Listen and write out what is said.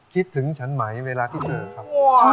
คิดถึงฉันไหมเวลาที่เจอครับ